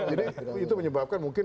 jadi itu menyebabkan mungkin